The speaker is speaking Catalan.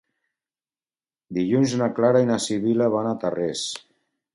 Dilluns na Clara i na Sibil·la van a Tarrés.